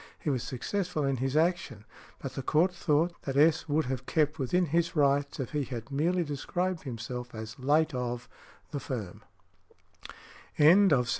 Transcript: He was successful in his action. But the Court thought that S. would have kept within his rights if he had merely described himself as "late of" the firm .